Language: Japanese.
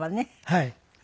はい。